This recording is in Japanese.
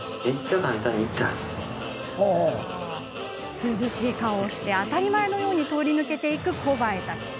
涼しい顔をして当たり前のように通り抜けていくコバエたち。